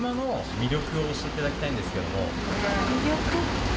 魅力？